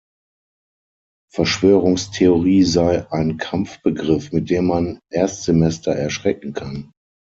Verschwörungstheorie sei „ein Kampfbegriff, mit dem man Erstsemester erschrecken kann“.